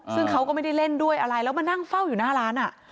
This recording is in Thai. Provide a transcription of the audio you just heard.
ซึ่งเขาก็ไม่ได้เล่นด้วยอะไรแล้วมานั่งเฝ้าอยู่หน้าร้าน